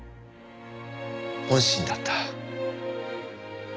本心だった。